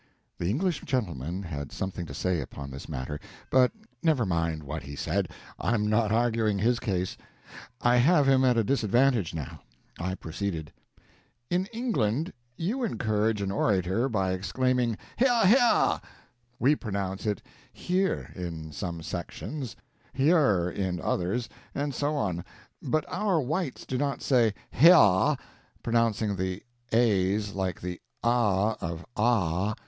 The English gentleman had something to say upon this matter, but never mind what he said I'm not arguing his case. I have him at a disadvantage, now. I proceeded: "In England you encourage an orator by exclaiming, 'H'yaah! h'yaah!' We pronounce it heer in some sections, 'h'yer' in others, and so on; but our whites do not say 'h'yaah,' pronouncing the a's like the a in ah.